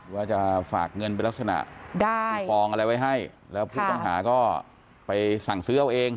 ว่าจะฝากเงินเป็นลักษณะมีฟองอะไรไว้ให้แล้วผู้ต้องหาก็ไปสั่งซื้อเอาเอง